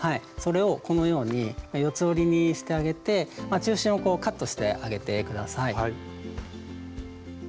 それをこのように四つ折りにしてあげて中心をカットしてあげて下さい。